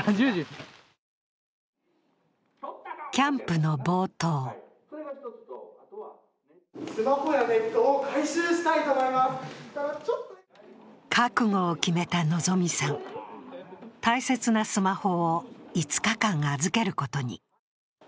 キャンプの冒頭覚悟を決めた希さん、大切なスマホを５日間預けることに。